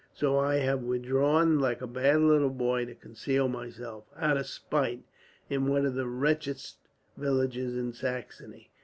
So I have withdrawn, like a bad little boy, to conceal myself, out of spite, in one of the wretchedest villages in Saxony.